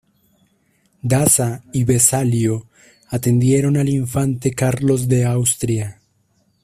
Daza y Vesalio atendieron al infante Carlos de Austria.